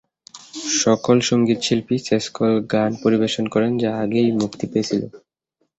সকল সঙ্গীত শিল্পী সেসকল গান পরিবেশন করেন যা আগেই মুক্তি পেয়েছিল।